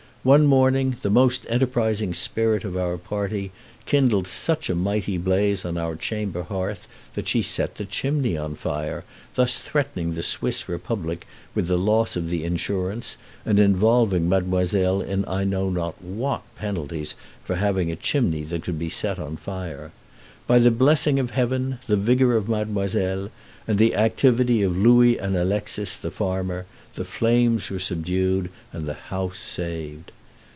One morning the most enterprising spirit of our party kindled such a mighty blaze on our chamber hearth that she set the chimney on fire, thus threatening the Swiss republic with the loss of the insurance, and involving mademoiselle in I know not what penalties for having a chimney that could be set on fire. By the blessing of Heaven, the vigor of mademoiselle, and the activity of Louis and Alexis the farmer, the flames were subdued and the house saved.